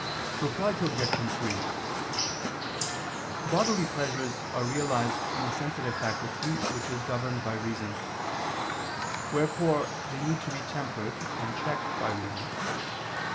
Reply Obj. 3: Bodily pleasures are realized in the sensitive faculty which is governed by reason: wherefore they need to be tempered and checked by reason.